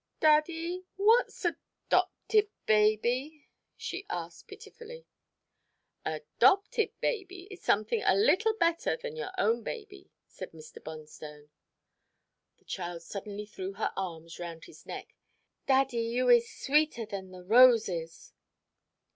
"Daddy, what's a 'dopted baby?" she asked pitifully. "A 'dopted baby is something a little better than your own baby," said Mr. Bonstone. The child suddenly threw her arms round his neck. "Daddy, you is sweeter than the roses."